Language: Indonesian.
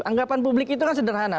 anggapan publik itu kan sederhana